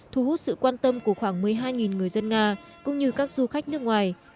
thu hút sự quan tâm của khoảng một mươi hai người dân nga cũng như các du khách nước ngoài